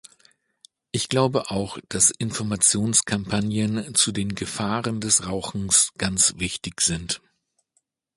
Ich glaube auch, dass Informationskampagnen zu den Gefahren des Rauchens ganz wichtig sind.